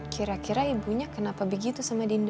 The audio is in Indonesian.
kira kira ibunya kenapa begitu sama dinda